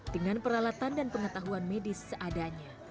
dengan peralatan dan pengetahuan medis seadanya